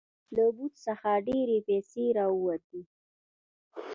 له بت څخه ډیرې پیسې راوتې.